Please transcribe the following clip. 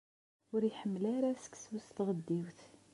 Ur iḥemmel ara seksu s tɣeddiwt.